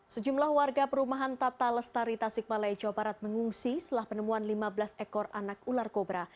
sejumlah warga perumahan tata lestari tasikmalaya jawa barat mengungsi setelah penemuan lima belas ekor anak ular kobra